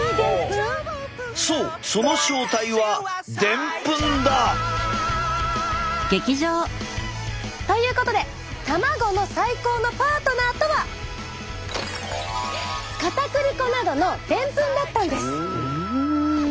そうその正体はということで卵の最高のパートナーとはかたくり粉などのでんぷんだったんです。